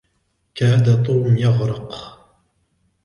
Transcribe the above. كاد توم يغرق